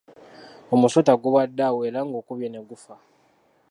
Omusota gubadde awo era ngukubye ne gufa.